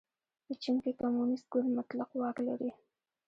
په چین کې کمونېست ګوند مطلق واک لري.